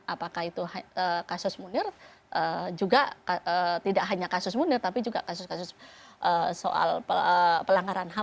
apakah itu kasus munir juga tidak hanya kasus munir tapi juga kasus kasus soal pelanggaran ham